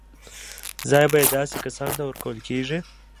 ځای به یې داسې کسانو ته ورکول کېږي.